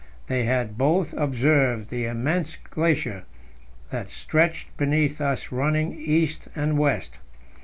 They had both observed the immense glacier that stretched beneath us running east and west.